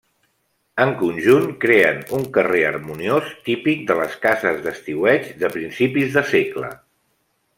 En conjunt creen un carrer harmoniós típic de les cases d'estiueig de principis de segle.